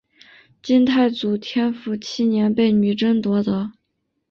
金太祖天辅七年被女真夺得。